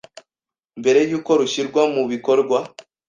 mbere y’uko rushyirwa mu bikorwa.